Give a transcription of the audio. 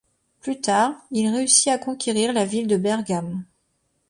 Plus tard il réussit à conquérir la ville de Bergame.